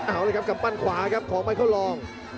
เอาเลยครับกำปั้นขวาครับของไมเคิลลอง